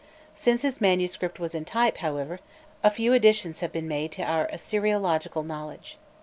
Since his manuscript was in type, however, a few additions have been made to our Assyriological knowledge.